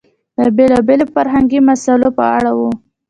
د بېلابېلو فرهنګي مسئلو په اړه و.